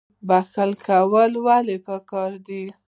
بخښنه کول ولې پکار دي؟